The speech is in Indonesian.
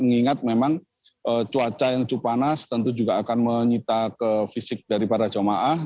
mengingat memang cuaca yang cukup panas tentu juga akan menyita ke fisik dari para jamaah